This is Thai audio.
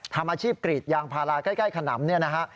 ทำอาชีพกรีดยางพาราใกล้ขนำเนี่ยนะฮะ